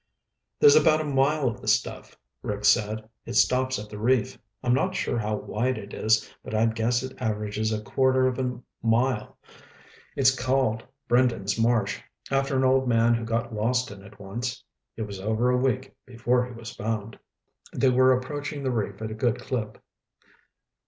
"There's about a mile of the stuff," Rick said. "It stops at the reef. I'm not sure how wide it is, but I'd guess it averages a quarter of a mile. It's called Brendan's Marsh, after an old man who got lost in it once. It was over a week before he was found." They were approaching the reef at a good clip.